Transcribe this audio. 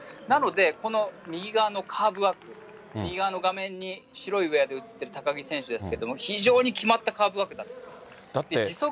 なので、この右側のカーブは、右側の画面に白いウエアで映ってる高木選手ですけれども、非常に決まったカーブワークだったんです。